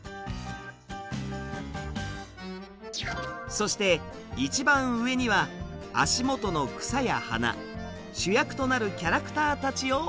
そして一番上には足元の草や花主役となるキャラクターたちを置きます。